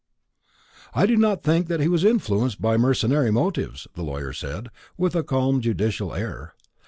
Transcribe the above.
"I do not think that he was influenced by mercenary motives," the lawyer said, with a calm judicial air.